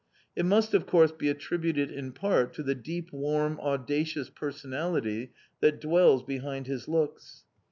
It must, of course, be attributed in part to the deep, warm audacious personality that dwells behind his looks.